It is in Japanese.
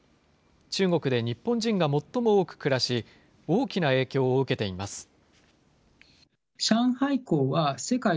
中国で日本人が最も多く暮らし、大きな影響を受けています。